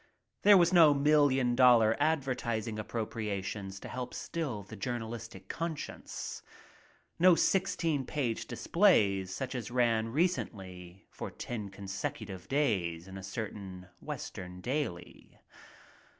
There were no million dollar ad vertising appropriations to help still the journalistic conscience. No sixteen page displays such as ran recently for ten consecutive days in a certain Western daily.